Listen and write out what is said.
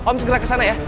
om segera kesana ya